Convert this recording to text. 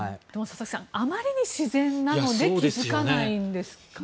あまりに自然なので気づかないんですかね。